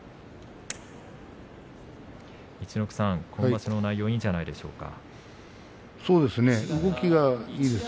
陸奥さん、今場所、内容いいんじゃないですか。